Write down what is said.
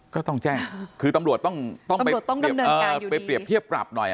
ก็ต้องแจ้งคือตำรวจต้องไปเปรียบเทียบปรับหน่อย